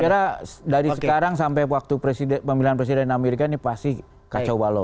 saya kira dari sekarang sampai waktu pemilihan presiden amerika ini pasti kacau balau